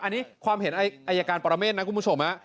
อันนี้ความเห็นอายการปรเมฆนะคุณผู้ชม